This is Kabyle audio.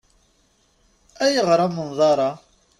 Ayɣer amenḍar-a?